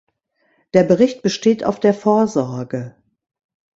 Der Bericht besteht auf der Vorsorge.